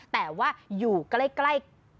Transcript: แต่ว่าอยู่ใกล้